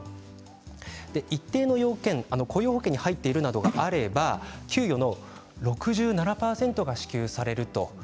一定の要件、雇用保険に入っているなどあれば給与の６７％が支給される。